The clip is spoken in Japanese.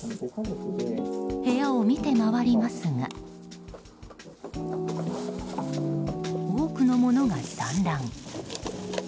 部屋を見て回りますが多くのものが散乱。